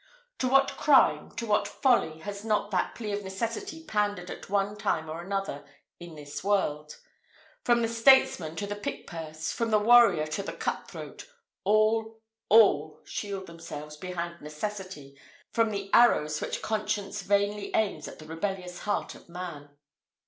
To what crime, to what folly has not that plea of necessity pandered at one time or another in this world? From the statesman to the pick purse, from the warrior to the cut throat, all, all shield themselves behind necessity from the arrows which conscience vainly aims at the rebellious heart of man.